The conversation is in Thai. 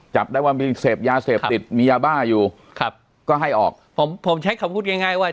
จับได้ว่ามีเสพยาเสพติดมียาบ้าอยู่ครับก็ให้ออกผมผมใช้คำพูดง่ายง่ายว่า